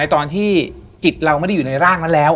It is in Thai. ตอนที่จิตเราไม่ได้อยู่ในร่างนั้นแล้ว